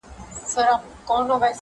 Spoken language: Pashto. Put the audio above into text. هم مو ځان هم مو ټبر دی په وژلی -